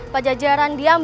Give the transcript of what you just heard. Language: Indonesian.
pak jajaran diambil